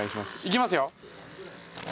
いきますよ。